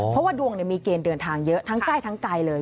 เพราะว่าดวงมีเกณฑ์เดินทางเยอะทั้งใกล้ทั้งไกลเลย